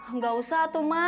nggak usah tuh ma